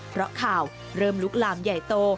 เพราะข่าวเริ่มลุกลามใหญ่โต